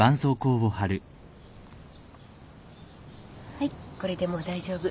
はいこれでもう大丈夫。